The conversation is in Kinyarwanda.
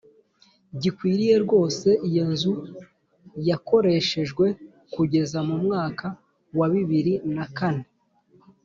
gikwiriye rwose iyo nzu yakoreshejwe kugeza mu mwaka wa bibiri na kane